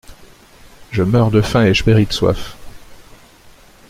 Je meurs de faim et je péris de soif!